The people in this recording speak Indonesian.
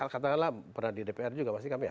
katakanlah pernah di dpr juga mas ikam ya